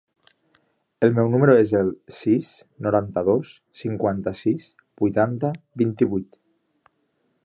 El meu número es el sis, noranta-dos, cinquanta-sis, vuitanta, vint-i-vuit.